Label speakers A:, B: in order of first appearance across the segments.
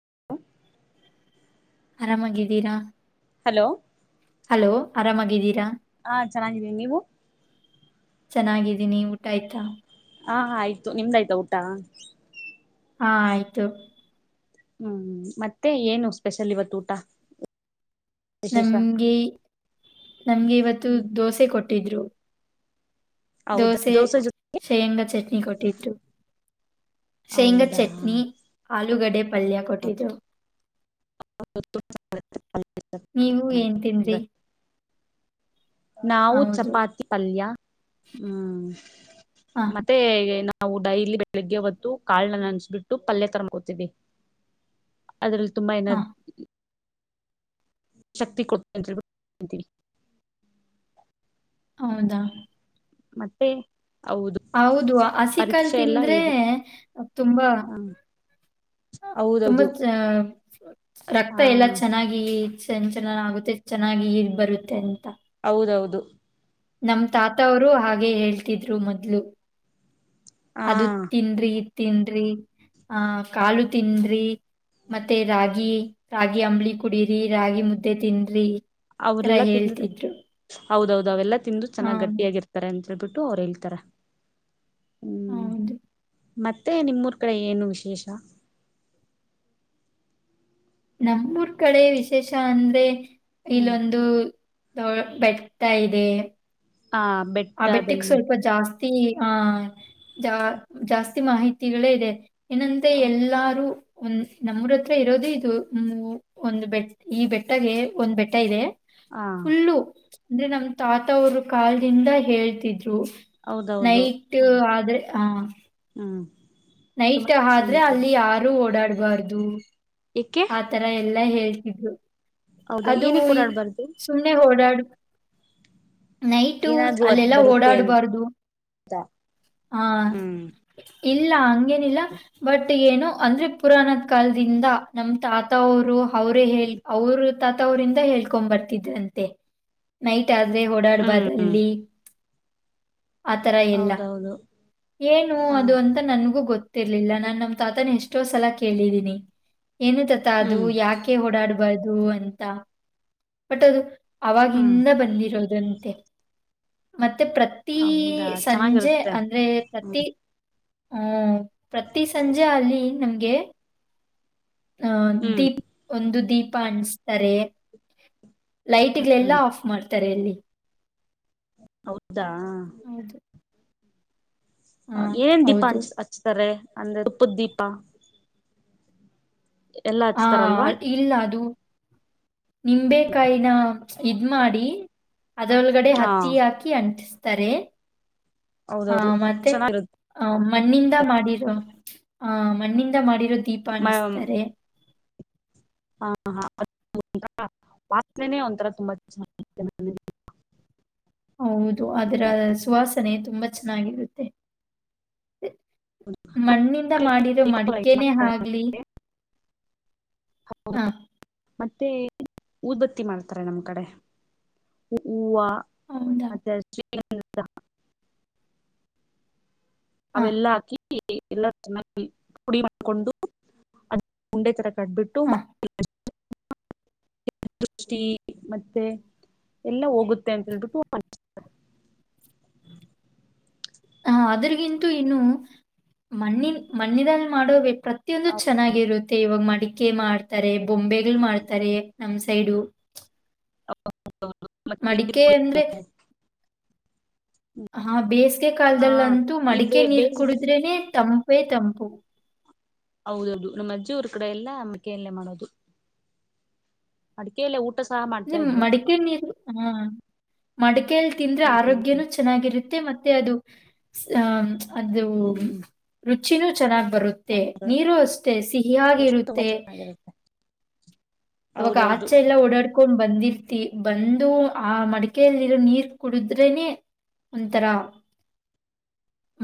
A: ಹ
B: ಆರಾಮಾಗಿದ್ದೀರಾ
A: hello
B: hello ಆರಾಮಾಗಿದ್ದೀರಾ
A: ಹಾ ಚೆನ್ನಾಗಿದ್ದೀಿ ನೀವು
B: ಚೆನ್ನಾಗಿದ್ದೀನಿ ಊಟ ಆಯ್ತಾ
A: ಹಾ ಆಯ್ತು ನಿಮ್ದಾಯ್ತಾ ಊಟ
B: ಹಾ ಆಯ್ತು
A: ಹ್ಮ್ ಮತ್ತೆ ಏನು ಸ್ಪೆಷಲ್ ಇವತ್ತು ಊಟ ವಿಶೇಷ
B: ನಮ್ಗೆ ನಮ್ಗೆ ಇವತ್ತು ದೋಸೆ ಕೊಟ್ಟಿದ್ರು
A: ಹೌದಾ
B: ದೋಸೆ
A: ಜೊ
B: ಶೇಯಂಗ ಚಟ್ನಿ ಕೊಟ್ಟಿದ್ರು ಸೇಂಗ
A: ಹೌದಾ
B: ಚಟ್ನಿ ಆಲೂಗೆಡ್ಡೆ ಡ ಪಲ್ಯ ಕೊಟ್ಟಿದ್ರು
A: [unintelligible]
B: ನೀವು ಏನ್ ತಿಂದ್ರಿ
A: ನಾವು
B: ಹೌದು.
A: ಚಪಾತಿ ಪಲ್ಯ ಹ್ಮ್
B: ಹಾ
A: ಮತ್ತೆ ನಾವು ಡೈಲಿ ಬೆಳಿಗ್ಗೆ ಹೊತ್ತು ಕಾಳ ನ್ನನಸಬಿಟ್ಟು ಪಲ್ಯ ತರಮಡಾಕೂತೀವಿ ಅದ್ರಲ್ಲಿ ತುಂಬಾ
B: ಹಾ
A: ಏನಾರ್ ಶಕ್ತಿ ಕೊಟ್ಟತ್ರಿರಿ
B: ಹೌದಾ
A: ಮತ್ತೆ ಹೌದು
B: ಹೌದು ಹಸಿಿಕಾಲ್
A: ಪರೀಕ್ಷೆ ಎಲ್ಲ
B: ತಿಂದ್ರೆ
A: ಹೇಗಿದೆ
B: ತುಂಬಾ
A: ಹ
B: ತುಂಬಾ
A: ಹೌದೌದು
B: ರಕ್ತ
A: ಹಾ
B: ಎಲ್ಲಾ ಚೆನ್ನಾಗಿ ಸಂಚಲನ ಆಗುತ್ತೆ ಚೆನ್ನಾಗಿ ಬರುತ್ತೆ ಅಂತ
A: ಹೌದೌದು
B: ನಮ ತಾತವರುೂ ಹಾಗೇ ಹೇಳ್ತಿದ್ರು ಮೊದ್ಲು
A: ಹಾ
B: ಅದು ತಿಂದ್ರಿ ಇ ತಿನ್ರಿ ಅಹ್ ಕಾಲು ತಿನ ರಿ ಮತ್ತೆ ರಾಗಿ ರಾಗಿ ಅಂಬಳಿ ಕುಡರಿ ರಾಗಿ ಮುದ್ದೆ ತಿನ ರಿ ತರ
A: ಅವರೆಲ್ಲಾ ತಿಂದ್ರೆ
B: ಹೇಳ್ತಿದ್ರು
A: ಹೌದೌದು ಅವೆಲ್ಲ ತಿಂದು
B: ಹಾ,
A: ಚೆನ್ನಾಗಿ ಗಟ್ಟಿಯಾಗಿರ್ತಾರೆ ಅಂತ ಬಿಟ್ಟು ಅವ್ರ ಹೇಳ್ತಾರ
B: ಹೌದು
A: ಮತ್ತೆ ನಿಮ್ಮೂರ್ ಕಡೆ ಏನು ವಿಶೇಷ
B: ನಮ್ಮೂರ್ ಕಡೆ ವಿಶೇಷ ಅಂದ್ರೆ
A: ಹ್ಮ್
B: ಇಲ್ಲೊಂದು ಬೆಟ್ಟ ಇದೆ
A: ಆ
B: ಆ ಬೆಟ್ಟಿಕ್
A: ಬೆಟ್ಟದಲ್ಲಿ
B: ಸ್ವಲ್ಪ ಜಾಸ್ತಿ ಹಾ ಜಾಸ್ತಿ ಮಾಹಿತಿಗಳೇ ಇದೆ ಏನಂತೆ ಎಲ್ಲಾರು ಒಂದ್ ನಮ್ಮೂರ ಹತ್ರ ಇರೋದುೇ ಇದು ಒಂದು್ ಬೆಟ್ಟ ಈ ಬೆಟ್ಟಗೆ ಒಂದು್ ಬೆಟ್ಟ ಇದೆ
A: ಹ
B: ಹುಲ್ಲು ಅಂದ್ರೆ ನಮ್ ತಾತ ಅವರು ಕಾಲದಿಂದ ಹೇಳ್ತಿದ್ರಿ ರು
A: ಹೌದೌದು
B: ನೈಟ್ ಆದ್ರೆ ಆ
A: ಹ್ಮ್ ತುಂಬಾ
B: ನೈಟ್ ಆದ್ರೆ
A: ಚೆನ್ನಾಗಿದೆ
B: ಅಲ್ಲಿ ಯಾರು ಓಡಾಡ್ ವರ್ದು
A: ಏಕೆ
B: ಆತರ ಎಲ್ಲಾ ಹೇ ಹ ಹ
A: ಹೌದಾ
B: ಅದು
A: ಏನಕ್ಕೆ ಓಡಾಡ್ಬಾರ್ದು
B: ಸುಮ್ಮನೆ ಓಡಾಡು ನೈಟು ಅಲ್ಲೆಲ್ಲಾ ಓಡಾಡ್ಬಾರ್ದು
A: ದ
B: ಹಾ ಇಲ್ಲಾ ಏನಿಲ್ಲ ಬಟ್ ಮ ಏನು ಅಂದ್ರೆ ಪುರಾಣದ ಕಾಲದಿಂದ ನಮ ತಾತ ಅವ್ರು ಅವರೇ ಹೇಳಿ ಅವರು ತಾತ ಅವ್ರಂದ ಹೇಳ್ಕೊಂಡ್ ಬರ್ತಿದ್ರಂತೆ ನೈಟ್ ನೈಟ್
A: ಹ್ಮ್
B: ಓಡಾಡ್ಬಾದಲ್ಲಿ ಆತರ ಎಲ್ಲ
A: ಹೌದೌದು
B: ಏನು
A: ಹಾ
B: ಅದು ಅಂತ ನನ್ಗೂ ಗೊತ್ತು ಇರ್ಲಿಲ್ಲ ನಾನ್ ನಮ್ಮ ತಾತನೇ ಎಷ್ಟ ಎಷ್ಟೋ ಸಲ ಕೇಳಿದೀನಿ. ಏನು ತಾತ ಅದು
A: ಹ್ಮ್
B: ಯಾಕೆ ಓಡಾಡು ಆದು ಅಂತ ಒಟ್ಟದು
A: ಹ್ಮ್
B: ಅವಾಗಿಂದ ಬಂದಿರೋದಂತೆ. ಮತ್ತ ಮತ್ತ ಪ್ರತಿ
A: ಹೌದಾ
B: ಸಂಜೆ
A: ಚೆನ್ನಾಗಿರುತ್ತೆ
B: ಅಂದ್ರೆ ಪ್ರತಿ ಹ್ಮ ಪ್ರತಿ ಸಂಜೆ ಅಲ್ಲಿ ನಮ್ಗೆ ಅ
A: ಹ್ಮ್
B: ದೀಪ್ ಒಂದು ದೀಪ್ ಪಾಣಿಸ್ತಾರೆ. ಲೈಟ್ಗಳೆಲ್ಲ ಆಫ್ ಮಾಡ್ತಾರೆ ಅಲ್ಲಿ
A: ಹೌದಾ
B: ಹೌದು ಹಾ
A: ಏನೇನ್ ದೀಪ
B: ಹೌದು
A: ಹಂಚ್ ಹಚ್ತಾರೆ ಅಂದ್ರೆ ತುಪ್ಪದ ದೀಪ ಎಲ್ಲಾ
B: ಹಾ
A: ಹಚ್ತಾರಲ್ವಾ
B: ಇಲ್ಲ ಅದು ನಿಂಬೆೇಕಾಯಿನ ಇದ ಮಾಡಿ ಅದರೊಳಗಡೆ
A: ಹಾ
B: ಹತ್ತಿ ಹಾಕಿ ಅಂಟಿಸ ತರೆ ಹ
A: ಹೌದೌದು
B: ಮತ್ತೆ
A: ಚೆನ್ನಾಗಿರುತ್ತೆ
B: ಆ ಮಣ್ಣಿಂದ ಮಾಡಿರ ಅ ಮಣ್ಣಿಂದ ಮಾಡಿ ದೀಪ ಅನ್ನಿಸ್ತಾರೆ.
A: ಹಾ ಹ ವಾಸನೆನೇ ಒಂತರ ತುಂಬಾ ಚೆ [unintelligible]
B: ಹೌದು ಅದರ ಸುವಾಸನೆ ತುಂಬಾ ಚೆನ್ನಾಗಿರುತ್ತೆ. [inaudible] ಮಣ್ಣಿಂದ ಮಾಡಿರೋ ಮಡಿಕೆನೇ ಆಗ್ಲಿ
A: ಚೆನ್ನಾಗಿರುತ್ತೆ
B: ಹ
A: ಮತ್ತೆ ಉದ್ಬತ್ತಿ ಮಾಡ್ತಾರೆ ನಮ್ ಕಡೆ ಹೂವ [unintelligible] [inaudible]
B: ಹೌದಾ ಹಾ
A: ಅವೆಲ್ಲಾ ಹಾಕಿ ಎಲ್ಲ ಚೆನ್ನಾಗಿ ಪುಡಿ ಮಾಡಕೊಂಡು ಅದ ಉಂಡೆ ತರ ಕಟ್ಬಿಟ್ಟು
B: ಹಾ
A: ದೃಷ್ಟಿ ಮತ್ತೆ ಎಲ್ಲ ಹೋಗುತ್ತೆ ಅಂತೇಳ್ಬಿಟ್ಟುಾರೆ
B: ಹ ಅದ್ರಗಿಂತೂ ಇನ್ನು ಮಣ್ಣಿ ಮಣ್ಣಿನಲ್ಲಿ ಮಾಡೋ ಪ್ರತಿಯೊಂದು ಚೆನ್ನಾಗಿರುತ್ತೆ ಇವಾಗ ಮಡಿಕೆ ಮಾಡ್ತಾರೆ ಬೊಂಬೆಗ್ಗಳು ಮಾಡ್ತಾರೆ ನಮ್ ಸೈಡು
A: ಹ
B: ಮಡಿಕೆ ಅಂದ್ರೆ ಹಾ ಬೇಸಿಗೆ
A: ಹಾ
B: ಕಾಲದಲ್ಲಂತೂ
A: ಈ ಬೇ~
B: ಮಡಿಕೆ ನೀರ್
A: ಬೇಸಿಗೆ
B: ಕುಡಿದ್ರೇನೆ ತಂ ವೇತಂಪು
A: ಹೌದೌದು ನಮ್ಮ ಅಜ್ಜಿ ಊರ ಕಡೆ ಎಲ್ಲ ಮಡಿಕೆಯಲ್ಲೇ ಮಾಡೋದು ಮಡಿಕೆಯಲ್ಲೆ ಊಟ ಸಹ ಮಾಡ್ತಾ
B: ನಿಮ್
A: ಇದ್ರು
B: ಮಡಿಕೆ ನೀರು ಹ ಮಡಿಕೇಯಲ್ಲಿ ತಿಂದ್ರೆ ಆರೋಗ್ಯನೂ ಚೆನ್ನಾಗಿರುತ್ತೆ ಮತ್ತೆ ಮತ್ತೆ ಅದು ಅದು
A: ಹ್ಮ್
B: ರುಚಿನು ಚೆನ್ನ ಬರುತ್ತೆ ನೀರು ಅಷ್ಟೆ
A: ರುಚಿ ತುಂಬಾ
B: ಸಿಹಿಿಯಾಗಿರುತ್ತೆ
A: ಚೆನ್ನಾಗಿರುತ್ತೆ
B: ಇವಾಗ
A: ಹೌದೌದು
B: ಆಚೆ ಎಲ್ಲ ಉಡಕ ಬಂದಿರ್ತಿ ಬಂದು ಆ ಮಡಕೆಯಲ್ಲಿರೋ ನೀರ್ ಕುಡುದ್ರೇನೆೇ ಒಂಥರ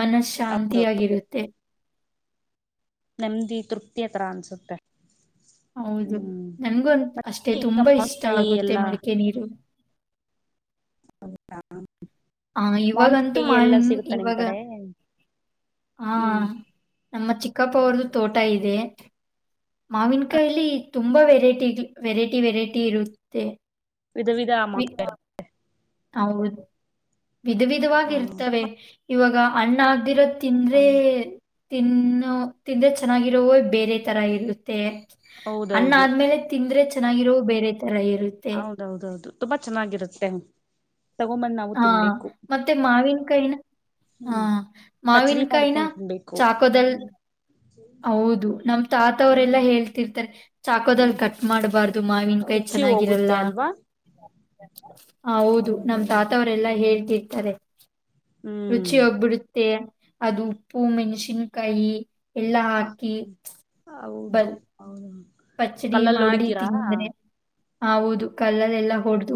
B: ಮನಸ್ ಶಾಂತಿಿಯಾಗಿರುತ್ತೆ
A: ನೆಮ್ಮದಿ ತೃಪ್ತಿಯ ತರ ಅನ್ಸುತ್ತೆ
B: ಹೌದು
A: ಹ್ಮ್
B: ನನ್ಗೂ ಅಷ್ಟೇ
A: ಮತ್ತೆ ಈಗ
B: ತುಂಬಾ ಇಷ್ಟ
A: ಮಾವಿನಕಾಯಿ
B: ಆಗುತ್ತೆ
A: ಎಲ್ಲಾ
B: ಮಡಿಕೆ ನೀರು
A: ಹೌದ
B: ಹ ಇವಾಗಂತೂ ಮಾವನ್
A: ಸಿಗುತ್ತಾ ನಿಮ್
B: ಇವಾಗ
A: ಕಡೆ
B: ಹಾ
A: ಹ್ಮ್
B: ನಮ್ಮ ಚಿಕ್ಕಪ್ಪ ಅವ್ರ್ದ ತೋಟ ಇದೆ ಮಾವಿನಕಾಯಲಿ ತುಂಬಾ ವೆರೈಟಿ ವೆರೈಟಿ ವೆರೈಟಿ ಇರುತ್ತೆ
A: ವಿಧ ವಿಧ ಆಮ
B: ವಿ ಹೌದು ವಿಧ ವಿಧವಾಗಿ ಇರ್ತವೆ
A: ಹ
B: ಇವಾಗ ಹಣ್ಣ ಆಗದಿರತ್ತೆ ತಿಂದ್ರೆ ತಿನ್ನು ತಿಂದ್ರೆ ಚೆನ್ನಾಗಿರೋ ಬೇರೆ ತರ ಇರುತ್ತೆ ಹಣ್ಣ
A: ಹೌದೌದು
B: ಆದ್ಮೇಲೆ ತಿಂದ್ರೆ ಚನ್ನಾಗಿರ ಬೇರೆ ತರ ಇರುತ್ತೆ.
A: ಹೌದೌದೌದು ತುಂಬಾ ಚೆನ್ನಾಗಿರುತ್ತೆ ತಗೊಂಬಂದ್ ನಾವು
B: ಹಾ
A: ತಿನ್ಬೇಕು
B: ಮತ್ತೆ ಮಾವಿನಕಾಯಿನ ಹಾ
A: ಹ್ಮ್ ಪಚಡಿ
B: ಮಾವಿನಕಾಯಿನ
A: ಮಾಡ್ಕೊಂಡ್ ತಿನ್ಬೇಕು
B: ಚಾಕೋದಲ್
A: ಹ್ಮ್
B: ಹೌದು ನಮ ತಾತ
A: ಹ್ಮ್
B: ಅವರೆೆಲ್ಲಾ ಹೇಳ್ತಿರ್ತಾರೆ ಚಾಕೋದಲ್
A: ಹ್ಮ್
B: ಕಟ್ ಮಾಡ್ಬಾರ್ದು ದು ಮಾವಿನಕಾಯಿ
A: ರುಚಿ
B: ಚೆನ್ನಾಗಿರಲ್ಲ
A: ಹೋಗುತ್ತೆ ಅಲ್ವಾ
B: ಹ ಹೌದು ನಮ
A: ಹೌದೌದು
B: ತಾತವರೆಲ್ಲಾ
A: ಹ್ಮ್
B: ಹೇಳ್ತಿರ್ತಾರೆ
A: ಹ್ಮ್
B: ರುಚಿ ಹೊಗಬಿಡುತ್ತೆ ಅದು ಉಪ್ಪು ಮೆಣಸಿನ್ಕಾಯಿ
A: ಹಾ
B: ಬ
A: ಹೌದು ಹೌದು
B: ಪಚ್ಚಡಿ
A: ಕಲ್ಲಲ್ಲಿ
B: ಮಾಡಿ
A: ಹೊಡಿತೀರಾ
B: ತಿಂದ್ರೆ ಹೌದು ಕಲ್ಲಲ್ಲಿ ಎಲ್ಲಾ ಹೊಡೆ್ದ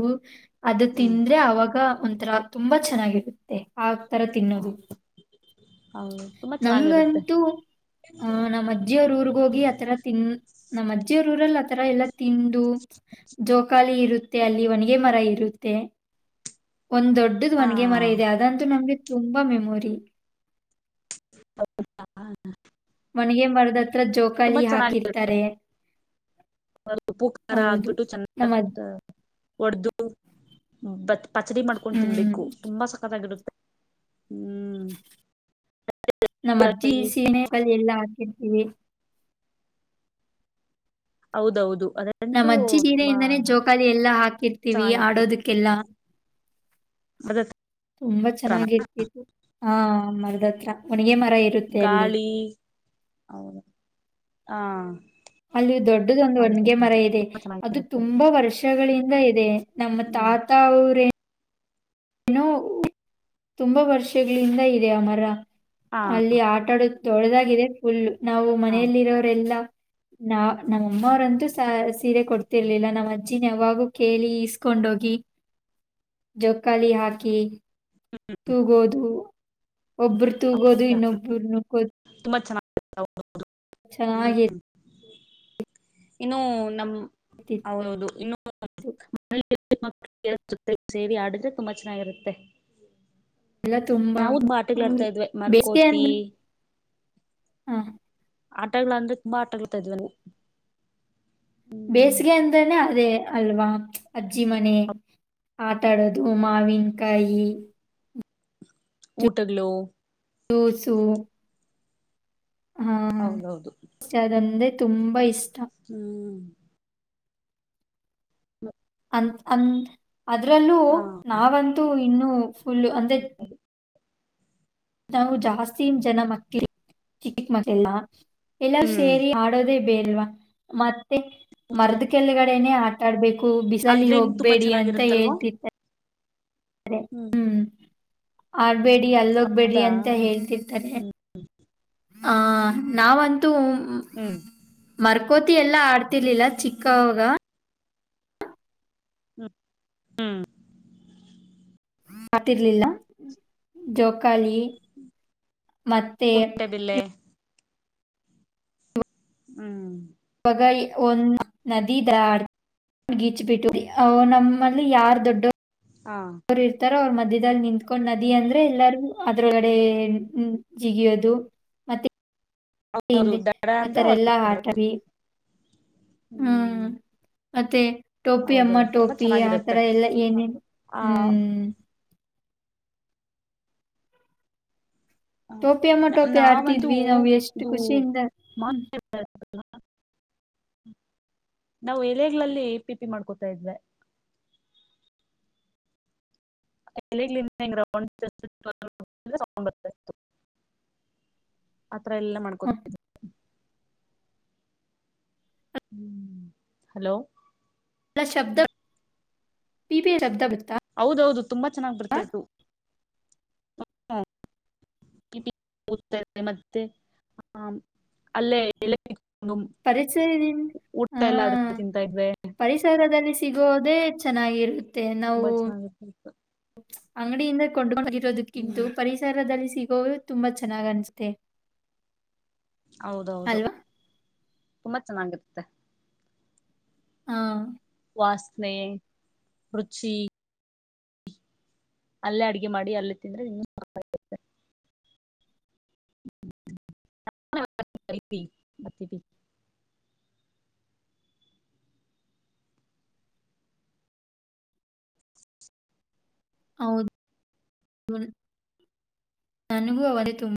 B: ಅದು
A: ಹ್ಮ್
B: ತಿಂದ್ರೆ ಅವಾಗ ಒಂಥರ ತುಂಬಾ ಚೆನ್ನಾಗಿರುತ್ತೆ ಆತರ
A: ಹ
B: ತಿನ್ನೋದು
A: ಹೌದು ತುಂಬಾ ಚೆನ್ನಾಗಿರುತ್ತೆ
B: ನಮ್ಗಂತೂ ಅಹ ನಮ್ಮ ಅಜ್ಜಿಯವ್ರ ಊರ್ಗ ಹೋಗಿ ಆತರ ತಿನ್ ನಮ್ಮ ಅಜ್ಜಿ ರೂರಲ್ ಆತರ ಎಲ್ಲಾ ತಿಂದು ಜೋಕಾಲಿ ಇರುತ್ತೆ ಅಲ್ಲಿ ಒಣಿಗೆ ಮರ ಇರುತ್ತೆ ಒಂದ್ ದೊಡ್ಡ್
A: ಆ
B: ವನ್ಗೆ ಮರ ಇದೆ ಅದಂತೂ ನಮ್ಗೆ ತುಂಬಾ ಮೆಮೊರಿ
A: ಹ
B: ಮನಗ ಮರದತ್ರ ಜೋಕಾಲಿ ಹಾಕಿರ್ತಾರೆ
A: ಉಪುಕಾರ
B: ಹೌದು
A: ಆಗ್ಬಿಟ್ಟು ಚೆನ್ನ
B: ನಮ್ಮ ಅಜ್-
A: ಉರ್ದುಬತ್ ಪಚಡಿ ಮಾಡ್ಕೊಂಡು
B: ಹ್ಮ್
A: ತಿನ್ಬೇಕು ತುಂಬಾ ಸಕತ್ತಾಗಿರುತ್ತೆ ಹ್ಮ್
B: ನಮ್ಮ ಅಜ್ಜಿ ಸೀಮೆ ಕಲ್ಲ್ ಎಲ್ಲಾ ಹಾಕ ಹ್ಮ
A: ಹೌದೌದು ಅದಂತೂ
B: ನಮ್ಮ ಅಜ್ಜಿ
A: ತುಂಬಾ
B: ಜೀನೆಯಿಂದಾನೇ ಜೋಕಾಲಿ ಎಲ್ಲಾ ಹಾಕಿರ್ತೀವಿ
A: ಚೆನ್ನಾಗಿತ್ತು
B: ಆಡೋದಕ್ಕೆಲ್ಲ
A: ಅದ
B: ತುಂಬಾ
A: ತರಾನ
B: ಚೆನ್ನಾಗಿರ್ತಿತ್ತು ಹಾ ಮಗದ್ರ ನ ಮರ ಇರುತ್ತೆ ಅಲ್ಲಿ
A: ಗಾಳಿ ಹೌದು ಹಾ
B: ಅಲ್ಲಿ ದೊಡ್ಡದೊಂದು ಒಣ್ಗೆ ಮರ
A: ಹೌದೌದು
B: ಇದೆ
A: ತುಂಬಾ
B: ಅದು
A: ಚೆನ್ನಾಗಿರುತ್ತೆ
B: ತುಂಬಾ ವರ್ಷ ವಷಗಳಿಂದ ಇದೆ ನಮ್ಮ
A: ಹ್ಮ್
B: ತಾತ ಅವ್ರೇ ಏನೋ ತುಂಬಾ ವರ್ಷಗಳಿಂದ ಇದೆ ಆ ಮರ
A: ಹಾ
B: ಅಲ್ಲಿ ಆಟ ಆಡ್ ದೊಡ್ಡದಾಗಿದೆ ಫುಲ್ ನಾವು
A: ಹಾ
B: ಮನೆಯಲ್ಲಿರೋರೆಲ್ಲ ನಾ ನಮ್ಮಮ್ಮ ಅವ್ರ ಅಂತು ಸ ಸೀರೆ ಕೊಡ್ತಿರ್ಲಿಲ್ಲ ನಮ್ಮ ಅಜ್ಜಿನ ಯಾವಾಗೂ ಕೇಳಿ ಇಸ್ಕೊಂಡ ಹೋಗಿ ಜೋ ಕಲಿ ಹಾಕಿ ತೂಗೋದು ಒಬ್ಬರು ತೂಗೋದು ಇನ್ನೊಬ್ಬರು ನಕೋದ
A: ಚನಗ
B: ಚೆನ್ನಾಗಿ
A: ಇನ್ನು ನಮ್ಮ
B: ಚೆನ್ನಾಗಿರ್ತಿತ್ತು
A: ಹೌದ ಹೌದ್ ಇನ್ನು ಜೊತೆ ಸೇರಿ ಆಡಿದ್ರೆ ತುಂಬಾ ಚೆನ್ನಾಗಿರುತ್ತೆ
B: ಎಲ್ಲ ತುಂಬಾ
A: ನಾವುತುಂಬಾ ಆಟ ಆಡ್ತಿದ್ವಿ
B: ಬೇಸಿಗೆ
A: ಮರಕೋತಿ
B: ಅಂದ್ರೆ ಹಾ
A: ಆಟಗಳಾ ಅಂದ್ರೆ ತುಂಬಾ ಆಟಗಳು ಹಾಡತಿದ್ವಿ
B: ಬೇಸಿಗೆ ಅಂದ್ರೇನೆ ಅದೇ ಅಲ್ವಾ ಅಜ್ಜಿ ಮನೆ ಆಟ ಆಟ ಆಡೋದು ಮಾವಿನಿಕಾಯಿ ಕಾಯಿ
A: ಊಟಗಲೋ
B: ಜ್ಯೂಸು ಹಾ
A: ಹೌದೌದು
B: ಅದಂದೆ ತುಂಬಾ ಇಷ್ಟ
A: ಹ್ಮ್ ಮ
B: ಒಂದ ಕೊಂದು ಅದ್ರಲ್ಲೂ
A: ಹಾ
B: ನಾವಂತೂ ಇನ್ನು ಫುಲ್ಲ ಅಂದೆ ನಾವು ಜಾಸ್ತಿ ಜನ ಮಕ್ಕಳು ಚಿಕ್ಕ ಮಗಳ ನಾ ಎಲ್ಲರೂ
A: ಹ್ಮ್
B: ಸೇರಿ ಆಡೋದೆೇ ಬೇಲ್ವಾ ಮತ್ತ ಮರದ ಕೆಳಗಡೆನೆ ಆ ಸುತ್ತಾಡಬೇಕು ಹೂ ಬಿಸಲ ಅಲ್ಲಿ
A: ಹಾಗಿದ್ರೆ ಇನ್ನು ತುಂಬಾ
B: ಹೋಗ್ಬೇಡಿ ಅಂತ
A: ಚೆನ್ನಾಗಿರುತ್ತಲ್ವಾ
B: ಹೇಳ್ತತಿತ್ತು ಹ್ಮ್ ಆ ಬೆಡ್ ಬಿಡಿ ಅಲ್ಲೋಗ್ಬೇಡ್ರಿ
A: ಹೌದಾ
B: ಅಂತ ಹೇಳ್ತಿರ್ತಾರೆ.
A: ಹ್ಮ್
B: ಆ ನಾವಂ
A: ಹುಂ
B: ಕೋತಿ ಎಲ್ಲಾ ಆಡ್ತಿರ್ಲಿಲ್ಲ ಚಿಕ್ಕವಾಗ.
A: ಹುಂ ಹುಂ
B: ಮಾಡ್ತಿರ್ಲಿಲ್ಲ ಜೋಕ್ ಕಳಿ ಮತ್ತೆ
A: ಕುಂಟೆಬಿಲ್ಲೆ
B: ಇಪ್
A: ಹುಂ
B: [unintelligible] ಒಂದ್ ನದಿ ದ ಗೀಚ್ ಬಿಟ್ಟು ಅವು ನಮ್ಮಲ್ಲಿ ಯಾರ್ ದೊಡ್ಡ
A: ಹಾ
B: ಅವ್ರ ಮಧ್ಯದಲ್ಲಿ ನಿಂತ್ಕೊಂಡ್ ನದಿ ಅಂದ್ರೆ ಎಲ್ಲರೂ ಅದ್ರಗಡೆ ಜಿಗಿಯೋದು.
A: ಹೌದು
B: ಎಂದೆ
A: ದಡ
B: ಆತರೆಲ್ಲಾ ಆಟ ಬಿ
A: ಹೂಂ
B: ಅತ್ತೆ ಟೋಪಿ ಅಮ್ಮ ಟೋಪಿ ಆತರ
A: ಚೆನ್ನಾಗಿರುತ್ತೆ
B: ಎಲ್ಲಾ ಏನೇನು
A: ಆ
B: ಹುಂ ಟೋಪಿ ಅಮ್ಮ ಟೋಪಿ
A: ನಾವಂತೂ
B: ಆಡ್ತಿದ್ವಿ ನಾವ್ ಎಷ್ಟು
A: ಇದು
B: ಖುಷಿಯಿಂದ ಹುಂ
A: ನಾವು ಎಲೆಗಳಲ್ಲಿ ಪಿಪಿ ಮಾಡ್ಕೊತಾ ಇದ್ವಿ. ಎಲೆ ಹೆಂಗ [unintelligible] ಆ ತರ ಎಲ್ಲ
B: ಹ್ಮ್.
A: ಮಾಡ್ಕೊತಿದ್ವಿ. ಹುಂ, ಹಲೋ
B: ಅ ಶಬ್ದ ಪಿಪಿಯ ಶಬ್ದ
A: ಹೌದೌದು ತುಂಬಾ ಚೆನ್ನಾಗ್ ಬರ್ತಾ [unintelligible] ಮತ್ತೆ ಹ ಅಲ್ಲೇ ಎ
B: ಪರಿಸರದಿಂದ ಹ
A: ಎಲ್ಲ ಅದ್ರಲ್ಲೇ ತಿಂತಾ ಇದ್ವಿ
B: ಪರಿಸರದಲ್ಲಿ ಸಿಗೋದೇ ಚೆನ್ನಾಗಿರುತ್ತೆ. ನಾವು
A: ಬಚನಾ [inaudible]
B: ಅಂಗಡಿಯಿಂದ ಕೊಂಡ್ಕೊಂಡ್ ಬಂದಿ ದಕ್ಕಿಂತು
A: ಹ್ಮ್
B: ಪರಿಸರದಲ್ಲಿ ಸಿಗ್ ಗೋವಿ ತುಂಬಾ ಚೆನ್ನಾಗ್ ಅನ್ಸುತ್ತೆೆ.
A: ಹೌದೌದು ಮತ್ ಮಂಗತೆ
B: ಹಾ
A: ವಾಸನೆ ರುಚಿ ಅಲ್ಲೇ ಅಡ್ಗೆ ಮಾಡಿ ಅಲ್ಲಿ ತಿಂದ್ರೆ ಇನ್ನೂ. [unintelligible] [inaudible]
B: ಹೌದು [inaudible] ನನಗೂ ಅವದೆ ತುಮ್